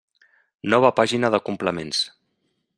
Nova pàgina de complements.